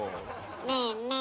ねえねえ